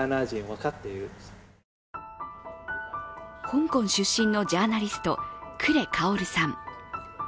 香港出身のジャーナリスト、クレ・カオルさん。